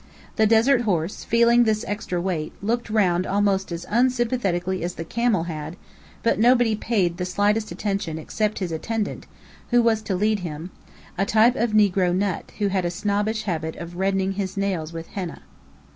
The desert horse, feeling this extra weight, looked round almost as unsympathetically as the camel had; but nobody paid the slightest attention except his attendant, who was to lead him: a type of negro "Nut," who had a snobbish habit of reddening his nails with henna.